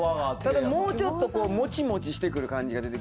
ただもうちょっとこうもちもちしてくる感じが。